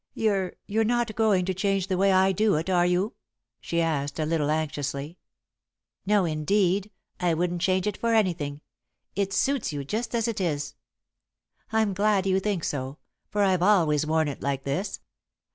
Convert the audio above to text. "You're you're not going to change the way I do it, are you?" she asked, a little anxiously. "No, indeed! I wouldn't change it for anything. It suits you just as it is." "I'm glad you think so, for I've always worn it like this.